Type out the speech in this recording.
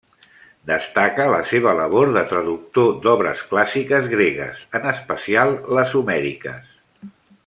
Destaca la seva labor de traductor d'obres clàssiques gregues, en especial les homèriques.